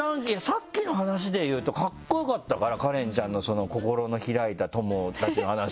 さっきの話で言うとカッコ良かったからカレンちゃんの心の開いた友達の話。